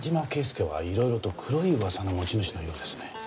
圭介はいろいろと黒い噂の持ち主のようですね。